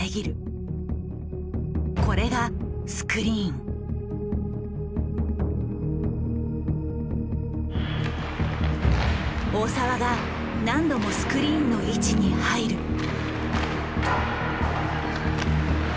これが大澤が何度もスクリーンの位置に入る。